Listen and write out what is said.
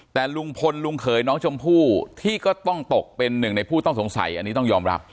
แต่ลุงพลลุงเขยน้องชมพู่ที่ก็ต้องตกเป็นหนึ่งในผู้ต้องสงสัยอันนี้ต้องยอมรับ